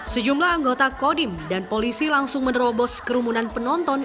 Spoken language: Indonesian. sejumlah anggota kodim dan polisi langsung menerobos kerumunan penonton